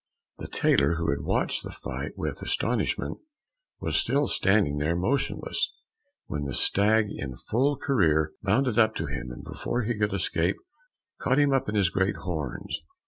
The tailor, who had watched the fight with astonishment, was still standing there motionless, when the stag in full career bounded up to him, and before he could escape, caught him up on his great horns.